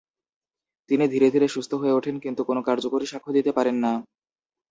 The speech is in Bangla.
তিনি ধীরে ধীরে সুস্থ হয়ে ওঠেন কিন্তু কোনো কার্যকরী সাক্ষ্য দিতে পারেন না।